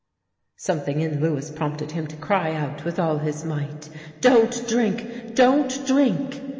Something in Lewis prompted him to cry out with all his might: "Don't drink! Don't drink!"